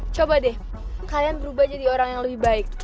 coba deh kalian berubah jadi orang yang lebih baik